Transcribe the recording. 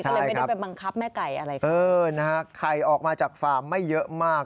ใช่ครับใช่ครับคือไข่ออกมาจากฟาร์มไม่เยอะมาก